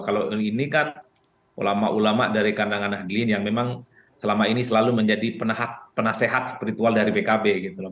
kalau ini kan ulama ulama dari kandangan nahdlin yang memang selama ini selalu menjadi penasehat spiritual dari pkb gitu loh